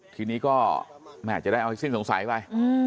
ทีนี้ก็แม่จะได้เอาให้สิ้นสงสัยไป